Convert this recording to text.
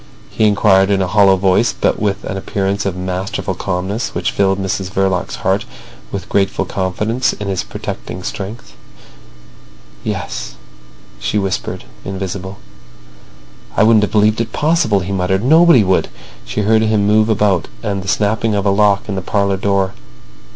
he inquired in a hollow voice, but with an appearance of masterful calmness which filled Mrs Verloc's heart with grateful confidence in his protecting strength. "Yes," she whispered, invisible. "I wouldn't have believed it possible," he muttered. "Nobody would." She heard him move about and the snapping of a lock in the parlour door.